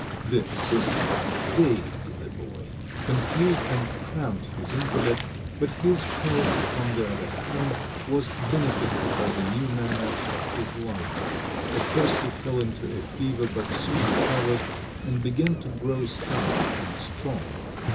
The "system" dazed the boy, confused and cramped his intellect, but his health on the other hand was benefited by the new manner of his life; at first he fell into a fever but soon recovered and began to grow stout and strong.